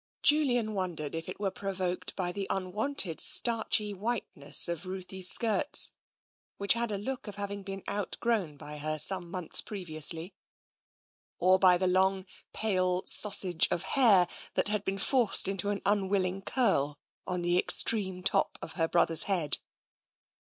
Julian wondered if it were provoked by the unwonted starchy whiteness of Ruthie's skirts, which had a look of having been out grown by her some months previously, or by the long, pale sausage of hair that had been forced into an un willing curl on the extreme top of her brother's head.